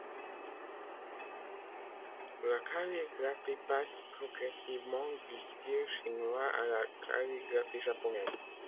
La calligraphie passe progressivement du style chinois à la calligraphie japonaise.